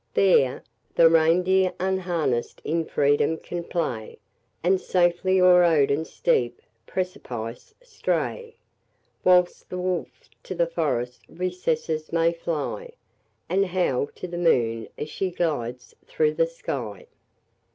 There "The reindeer unharness'd in freedom can play, And safely o'er Odin's steep precipice stray, Whilst the wolf to the forest recesses may fly, And howl to the moon as she glides through the sky."